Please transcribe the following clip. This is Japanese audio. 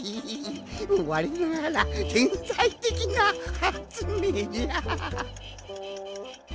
われながらてんさいてきなはつめいじゃ！